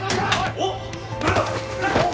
おっ！